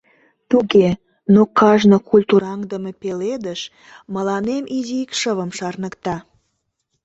Туге... но кажне культураҥдыме пеледыш мыланем изи икшывым шарныкта...